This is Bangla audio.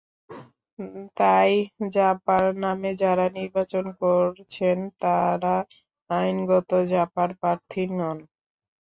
তাই জাপার নামে যাঁরা নির্বাচন করছেন, তাঁরা আইনত জাপার প্রার্থী নন।